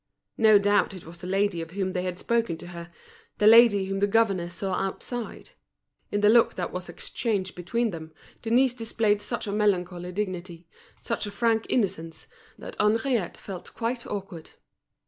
No doubt it was the lady of whom they had spoken to her, the lady whom the governor saw outside. In the look that was exchanged between them, Denise displayed such a melancholy dignity, such a frank innocence, that Henriette felt quite awkward.